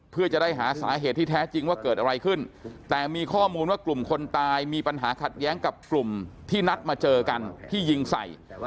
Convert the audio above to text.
เพื่อจะได้หาสาเหตุที่แท้จริงว่าเกิดอะไรขึ้นแต่มีข้อมูลว่ากลุ่มคนตายมีปัญหาขัดแย้งกับกลุ่มที่นัดมาเจอกันที่ยิงใส่